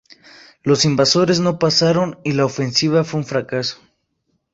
Los invasores no pasaron y la ofensiva fue un fracaso.